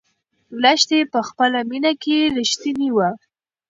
لښتې په خپله مینه کې رښتینې وه.